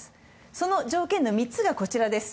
その条件の３つがこちらです。